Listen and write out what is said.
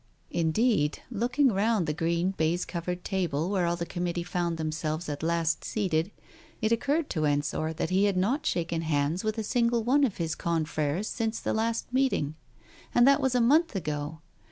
..\ Indeed, looking round the green baize covered table where all the Committee found themselves at last seated, it occurred to Ensor that he had not shaken hands with a single one of his confreres since the last meeting, and that was a month ago.